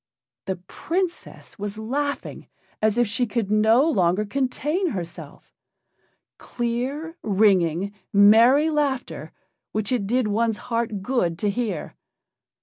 The Princess was laughing as if she could no longer contain herself. Clear, ringing, merry laughter, which it did one's heart good to hear.